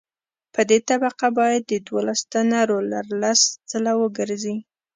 په دې طبقه باید دولس ټنه رولر لس ځله وګرځي